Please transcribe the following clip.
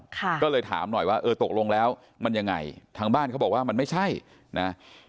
ก็เลยถามหน่อยว่าเออตกลงแล้วมันยังไงทางบ้านเขาบอกว่ามันไม่ใช่นะ